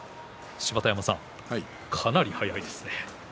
芝田山さん、かなり早いですね。